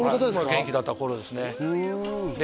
元気だった頃ですねで